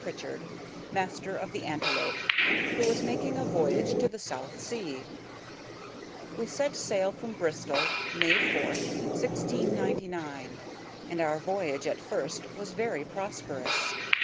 Pritchard, master of the "Antelope," who was making a voyage to the South Sea. We set sail from Bristol, May 4, 1699; and our voyage at first was very prosperous.